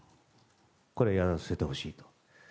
これをやらせてほしいと。